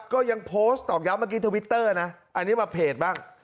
ก็ยังโพสต์ตอกย้ำเมื่อกี้ทวิตเตอร์นะอันนี้มาเพจบ้าง